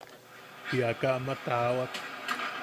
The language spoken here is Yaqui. Tiaka ama tawaak.